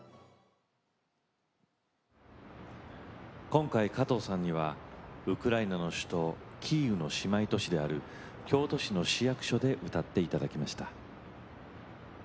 今回、加藤さんにはウクライナの首都キーウの姉妹都市である京都市の市役所で歌っていただきました。